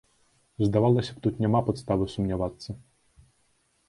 Здавалася б, тут няма падставы сумнявацца.